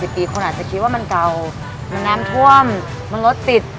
ปีคนอาจจะคิดว่ามันเก่ามันน้ำท่วมมันรถติด